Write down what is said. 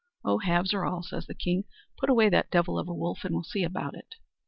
"Oh, halves or alls," says the king, "put away that divil of a wolf, and we'll see about it."